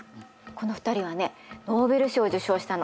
この２人はねノーベル賞を受賞したの。